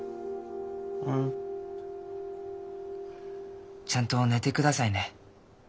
うん？ちゃんと寝てくださいね。